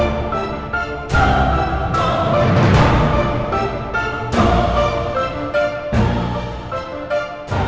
tapi amat ter giants ya